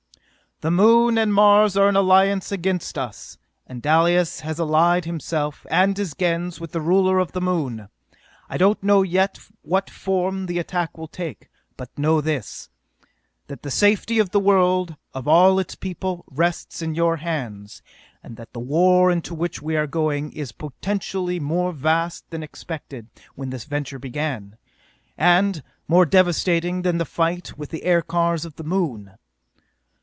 "The Moon and Mars are in alliance against us, and Dalis has allied himself and his Gens with the ruler of the Moon! I don't know yet what form the attack will take, but know this: that the safety of the world, of all its people, rests in your hands, and that the war into which we are going is potentially more vast than expected when this venture began, and more devastating than the fight with the aircars of the Moon!